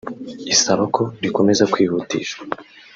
isaba ko rikomeza kwihutishwa